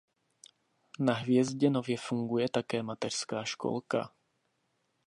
Na Hvězdě nově funguje také mateřská školka.